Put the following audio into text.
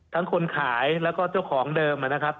คนขายแล้วก็เจ้าของเดิมนะครับ